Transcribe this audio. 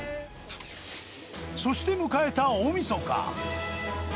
そして迎えた大みそか。